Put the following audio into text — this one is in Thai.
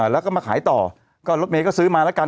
แล้วก็มาขายต่อก็รถเมย์ก็ซื้อมาแล้วกัน